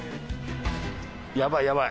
やばいやばい。